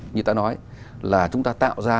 như ta nói là chúng ta tạo ra